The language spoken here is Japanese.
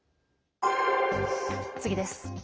次です。